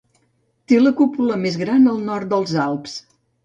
Té la cúpula més gran al nord dels Alps.